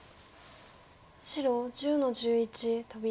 白１０の十一トビ。